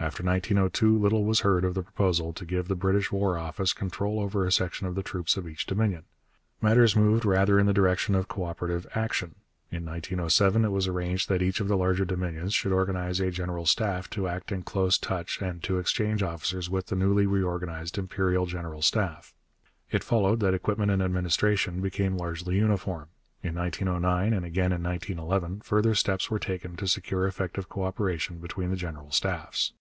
After 1902 little was heard of the proposal to give the British War Office control over a section of the troops of each Dominion. Matters moved rather in the direction of co operative action. In 1907 it was arranged that each of the larger Dominions should organize a General Staff to act in close touch and to exchange officers with the newly reorganized Imperial General Staff. It followed that equipment and administration became largely uniform. In 1909, and again in 1911, further steps were taken to secure effective co operation between the General Staffs.